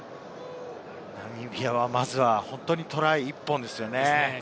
ナミビア、まずは本当にトライ１本ですね。